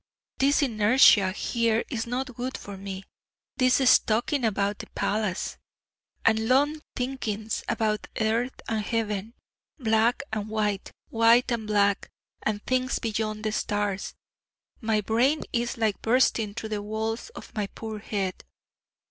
This inertia here is not good for me! This stalking about the palace! and long thinkings about Earth and Heaven, Black and White, White and Black, and things beyond the stars! My brain is like bursting through the walls of my poor head.